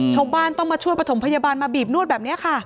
ชาวบ้านต้องมาช่วยประถมพยาบาลมาบีบนวดแบบนี้ค่ะ